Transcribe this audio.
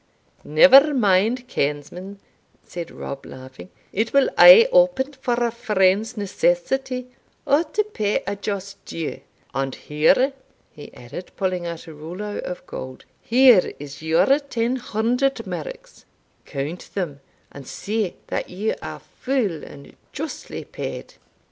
"Never mind, kinsman," said Rob, laughing; "it will aye open for a friend's necessity, or to pay a just due and here," he added, pulling out a rouleau of gold, "here is your ten hundred merks count them, and see that you are full and justly paid."